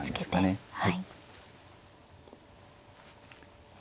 はい。